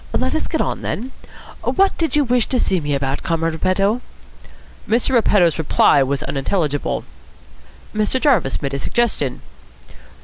Let us get on, then. What did you wish to see me about, Comrade Repetto?" Mr. Repetto's reply was unintelligible. Mr. Jarvis made a suggestion.